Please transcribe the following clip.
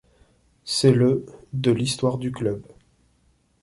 C'est le de l'histoire du club.